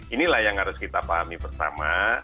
inilah yang harus kita pahami bersama